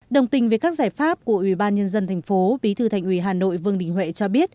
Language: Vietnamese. đồng tình với các giải pháp của ubnd tp bí thư thành ủy hà nội vương đình huệ cho biết